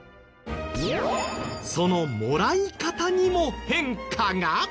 そのもらい方にも変化が？